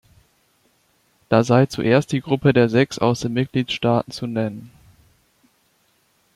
Da sei zuerst die Gruppe der sechs aus den Mitgliedstaaten zu nennen.